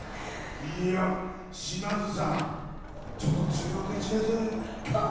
島津さん、ちょっと中学１年生。